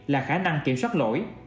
là khả năng kiểm soát lỗi